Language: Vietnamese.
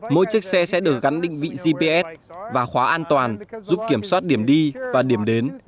mỗi chiếc xe sẽ được gắn định vị gps và khóa an toàn giúp kiểm soát điểm đi và điểm đến